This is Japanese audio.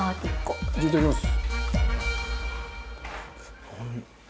いただきます。